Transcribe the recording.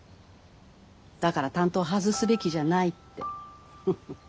だから担当外すべきじゃないって。